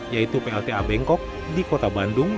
yaitu plta bengkok di kota bandung